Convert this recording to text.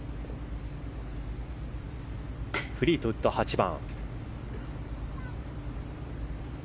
フリートウッド、８番。